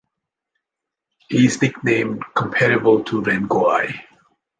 He is nicknamed "Comparable to Rengui".